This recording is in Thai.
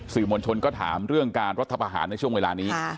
สื่อมวลชนก็ถามเรื่องการรัฐประหารในช่วงเวลานี้